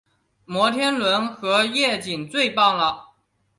摩天轮和夜景最棒了